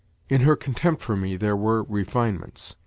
In her contempt for me there were refinements.